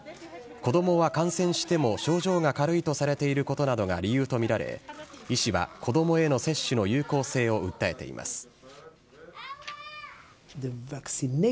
子どもは感染しても症状が軽いとされていることなどが理由と見られ、医師は子どもへの接種の有効性を訴えています。